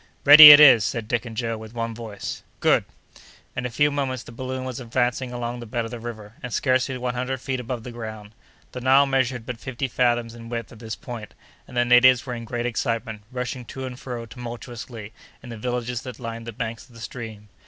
"Ready it is!" said Dick and Joe, with one voice. "Good!" In a few moments the balloon was advancing along the bed of the river, and scarcely one hundred feet above the ground. The Nile measured but fifty fathoms in width at this point, and the natives were in great excitement, rushing to and fro, tumultuously, in the villages that lined the banks of the stream.